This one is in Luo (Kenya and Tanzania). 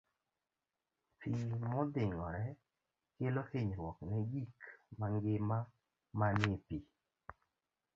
Pi modhing'ore kelo hinyruok ne gik mangima manie pi.